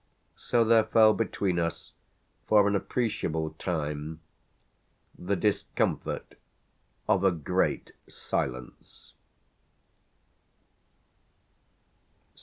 So there fell between us for an appreciable time the discomfort of a great silence.